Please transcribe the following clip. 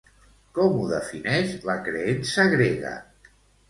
Com ho defineix la creença grega?